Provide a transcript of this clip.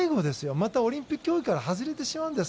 また、オリンピック競技から外れてしまうんです。